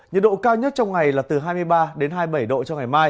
nhiệt độ cao nhất trong ngày là từ hai mươi ba đến hai mươi bảy độ